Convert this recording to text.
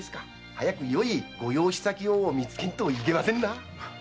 早くよいご養子先を見つけんといけませんな。